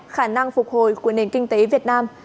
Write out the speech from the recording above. khả năng phục hồi của nền kinh tế việt nam